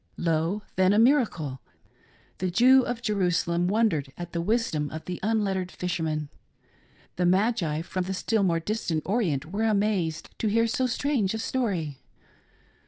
Lo,« then, a miracle ! The Jew of Jerusalem wondered at the wisdom of the unlettered Fisherman. The magi from the still more distant Orient were amazed to hear so strange a story.